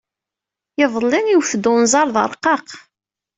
Iḍelli, iwet-d unẓar d arqaq.